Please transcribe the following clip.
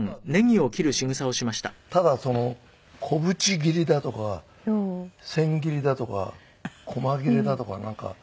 ただ小口切りだとか千切りだとか細切れだとかなんか。